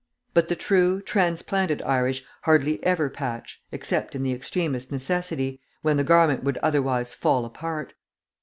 But the true, transplanted Irish hardly ever patch except in the extremest necessity, when the garment would otherwise fall apart.